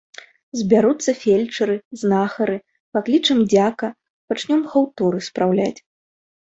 Збяруцца фельчары, знахары, паклічам дзяка, пачнём хаўтуры спраўляць.